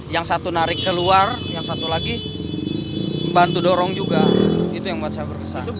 yang satu narik keluar yang satu lagi bantu dorong juga itu yang buat saya berkesan